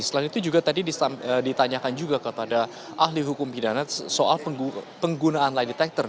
selain itu juga tadi ditanyakan juga kepada ahli hukum pidana soal penggunaan light detector